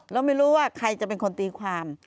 เราไม่รู้ว่าใครจะเป็นคนตีความ